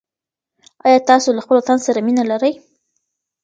آیا تاسو له خپل وطن سره مینه لرئ؟